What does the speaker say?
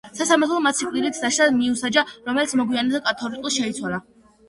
სასამართლომ მათ სიკვდილით დასჯა მიუსაჯა, რომელიც მოგვიანებით კატორღით შეიცვალა.